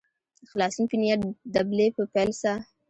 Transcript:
د خلاصون په نیت دبلي په پیل سه.